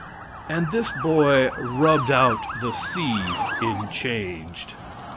And this boy rubbed out the "c" in the "changed."